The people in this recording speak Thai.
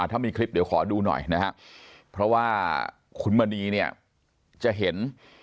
ถ้ามีคลิปเดี๋ยวขอดูหน่อยนะครับเพราะว่าคุณมณีเนี่ยจะเห็น